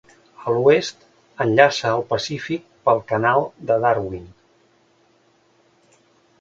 A l'oest, enllaça al Pacífic pel canal de Darwin.